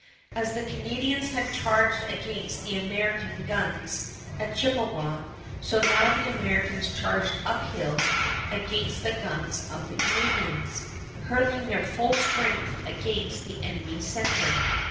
As the Canadians had charged against the American guns at Chippewa, so now the Americans charged uphill against the guns of the Canadians, hurling their full strength against the enemy's center.